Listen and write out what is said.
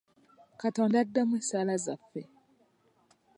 Katonda addamu essaala zaffe.